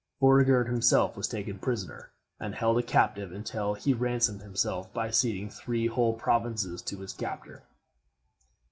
Vortigern himself was taken prisoner, and held a captive until he ransomed himself by ceding three whole provinces to his captor.